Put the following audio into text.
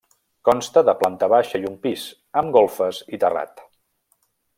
Consta de planta baixa i un pis, amb golfes i terrat.